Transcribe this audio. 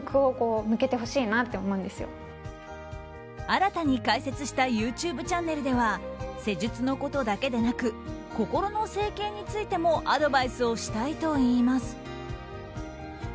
新たに開設したＹｏｕＴｕｂｅチャンネルでは施術のことだけでなく心の整形についてもアドバイスをしたいといいます。